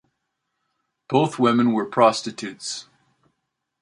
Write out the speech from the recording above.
Both women were prostitutes.